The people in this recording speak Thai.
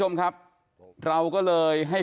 ไม่ได้ผิด